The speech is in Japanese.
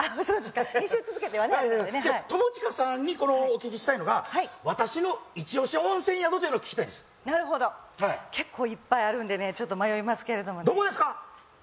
そうですか２週続けてはねあれなんでね友近さんにお聞きしたいのがはい私のイチオシ温泉宿というのを聞きたいんですなるほど結構いっぱいあるんでねちょっと迷いますけれどもねどこですか！